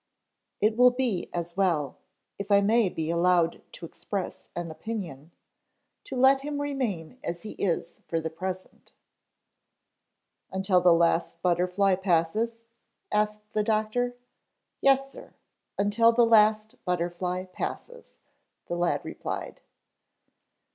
"It will be as well, if I may be allowed to express an opinion, to let him remain as he is for the present." "Until the last butterfly passes?" asked the doctor. "Yes sir, until the last butterfly passes," the lad replied.